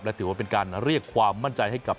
และถือว่าเป็นการเรียกความมั่นใจให้กับ